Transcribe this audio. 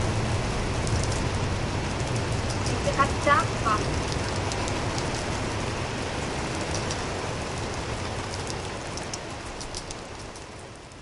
Isiqattaaqpa?